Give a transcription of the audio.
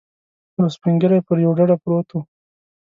یو سپین ږیری پر یوه ډډه پروت و.